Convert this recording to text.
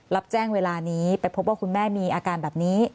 รับแจ้งเวลานี้ไปพบว่าคุณแม่มีอาการแบบนี้